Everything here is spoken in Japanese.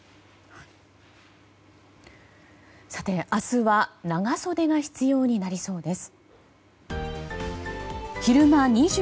明日は長袖が必要になりそうです。